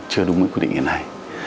chưa đúng quy định hiện hành